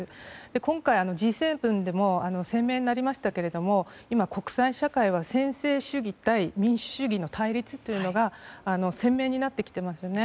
今回、Ｇ７でも声明にありましたけれども今、国際社会は専制主義対民主主義の対立というのが鮮明になってきてますよね。